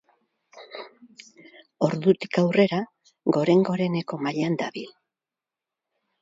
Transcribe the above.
Ordutik aurrera goren-goreneko mailan dabil.